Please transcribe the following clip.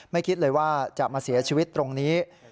คิดเลยว่าจะมาเสียชีวิตตรงนี้